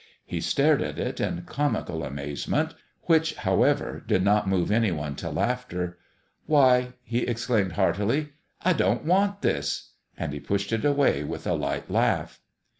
He stared at it in comical amazement (which, however, did not move any one to laughter). "Why," he ex claimed, heartily, " I don't want this !" and pushed it away with a light laugh.